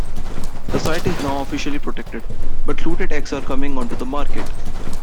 The site is now officially protected, but looted eggs are coming onto the market.